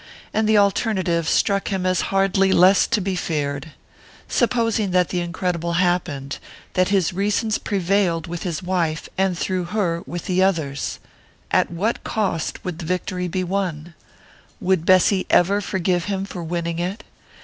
And the alternative struck him as hardly less to be feared. Supposing that the incredible happened, that his reasons prevailed with his wife, and, through her, with the others at what cost would the victory be won? Would Bessy ever forgive him for winning it?